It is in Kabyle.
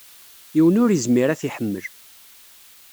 Yiwen ur izmir ad t-iḥemmel.